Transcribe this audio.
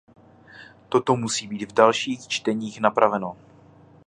Toto musí být v dalších čteních napraveno.